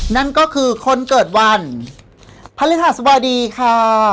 นั่นก็คือคนเกิดวันพระฤทธาสบายดีค่ะ